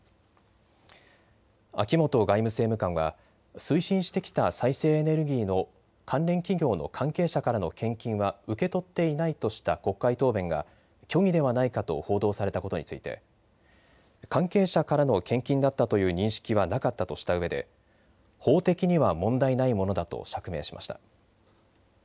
秋本外務政務官は推進してきた再生エネルギーの関連企業の関係者からの献金は受け取っていないとした国会答弁が虚偽ではないかと報道されたことについて関係者からの献金だったという認識はなかったとしたうえで、法的には問題ないものだと釈明しました。